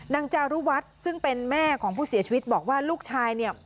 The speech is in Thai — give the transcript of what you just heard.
จารุวัฒน์ซึ่งเป็นแม่ของผู้เสียชีวิตบอกว่าลูกชายเนี่ย